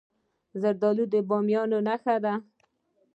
زردالو د بامیان نښه ده.